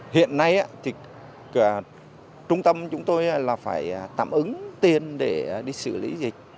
hiện nay thì trung tâm chúng tôi là phải tạm ứng tiền để đi xử lý dịch